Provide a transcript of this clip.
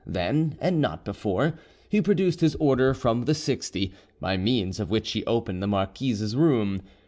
Then, and not before, he produced his order from the Sixty, by means of which he opened the marquise's room.